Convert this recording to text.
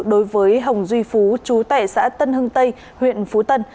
đối với hồng duy phú chú tẻ xã tân hưng tây huyện phú tân